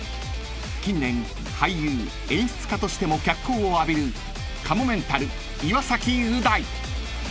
［近年俳優演出家としても脚光を浴びるかもめんたる岩崎う大］